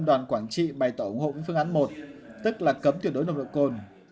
đoàn quảng trị bày tỏ ủng hộ với phương án một tức là cấm tuyệt đối nồng độ cồn